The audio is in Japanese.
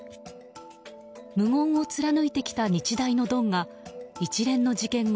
無言を貫いてきた日大のドンが一連の事件後